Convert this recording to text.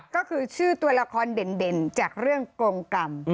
ก็คือชื่อตัวละครเด่นจากเรื่องกงกรรม